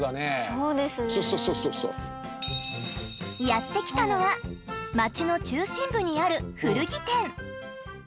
やって来たのは街の中心部にある古着店。